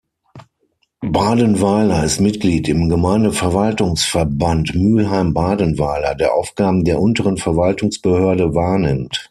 Badenweiler ist Mitglied im Gemeindeverwaltungsverband Müllheim-Badenweiler, der Aufgaben der Unteren Verwaltungsbehörde wahrnimmt.